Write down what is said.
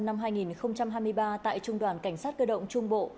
năm hai nghìn hai mươi ba tại trung đoàn cảnh sát cơ động trung bộ